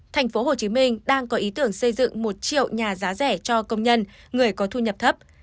tp hcm đang có ý tưởng xây dựng một triệu nhà giá rẻ cho công nhân người có thu nhập thấp